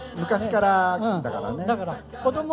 昔からだからね。